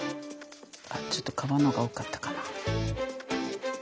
ちょっと革の方が多かったかな？